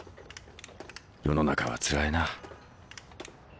世の中はつらいな。